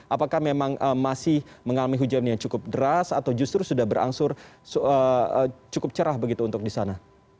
apakah memang masih mengalami hujan yang cukup deras atau justru sudah berangsur cukup cerah begitu untuk di sana